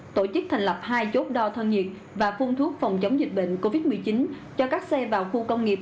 tổ chức thành lập hai chốt đo thân nhiệt và phun thuốc phòng chống dịch bệnh covid một mươi chín cho các xe vào khu công nghiệp